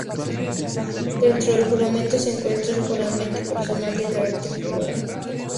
Dentro del juramento se encuentra el juramento personal de carácter privado.